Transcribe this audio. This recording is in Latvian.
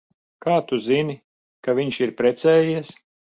Kā tu zini, ka viņš ir precējies?